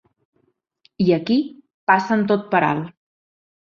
I aquí passen tot per alt.